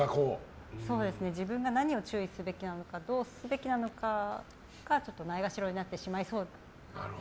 自分が何を注意すべきなのかどうすべきなのかがちょっとないがしろになってしまいそうで。